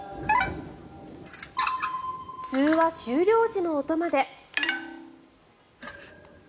通話終了時の音まで。